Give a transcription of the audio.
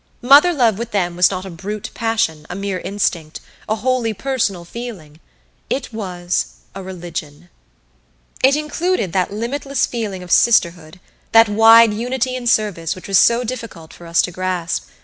Mother love with them was not a brute passion, a mere "instinct," a wholly personal feeling; it was a religion. It included that limitless feeling of sisterhood, that wide unity in service, which was so difficult for us to grasp.